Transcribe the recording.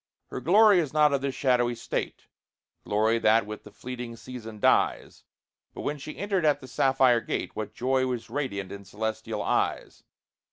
Her glory is not of this shadowy state, Glory that with the fleeting season dies; But when she entered at the sapphire gate What joy was radiant in celestial eyes!